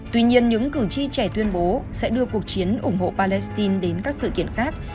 tuy nhiên những cử tri trẻ tuyên bố sẽ đưa cuộc chiến ủng hộ palestine đến các sự kiện khác